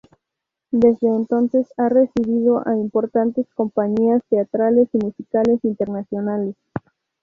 Desde entonces ha recibido a importantes compañías teatrales y musicales internacionales.